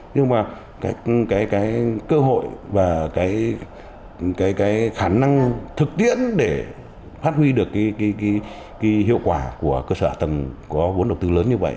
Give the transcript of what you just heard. nhưng mà cái cơ hội và cái khả năng thực tiễn để phát huy được cái hiệu quả của cơ sở tầng có vốn đầu tư lớn như vậy